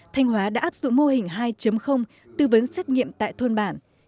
thanh hóa đã áp dụng mô hình hai tư vấn xét nghiệm tại thôn bản